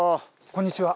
こんにちは。